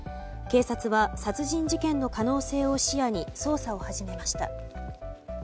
警察は殺人事件の可能性を視野に捜査を始めました。